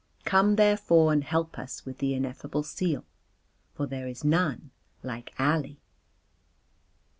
Come therefore and help us with the ineffable seal. For there is none like Ali."